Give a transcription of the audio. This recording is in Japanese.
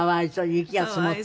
雪が積もって？